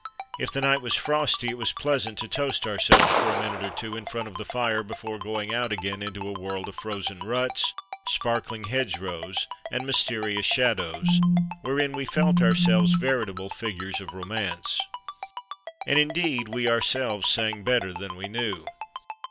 If the night was frosty it was pleasant to toast ourselves for a minute or two in front of the fire before going out again into a world of frozen ruts, sparkling hedgerows, and mysterious shadows, wherein we felt our selves veritable figures of romance. And, indeed, we ourselves sang better than we knew.